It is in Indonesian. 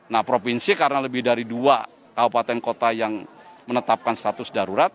nah provinsi karena lebih dari dua kabupaten kota yang menetapkan status darurat